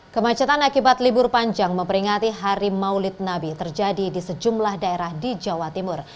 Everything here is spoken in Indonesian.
kemacetan akibat libur panjang memperingati hari maulid nabi terjadi di sejumlah daerah di jawa timur